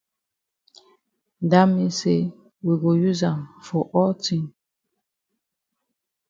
Dat mean say we go use am for all tin.